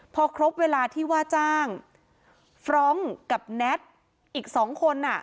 พอครบเวลาที่ว่าจ้างฟรองก์กับแน็ตอีก๒คน